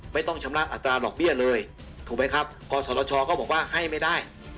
ไม่ต้องชำระอัตราดอกเบี้ยเลยถูกไหมครับกศชก็บอกว่าให้ไม่ได้